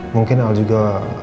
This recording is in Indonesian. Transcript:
mungkin al juga